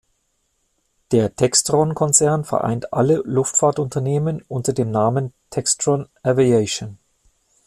Der Textron Konzern vereint alle Luftfahrtunternehmen unter dem Namen Textron Aviation.